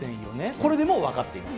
これでもう分かっています。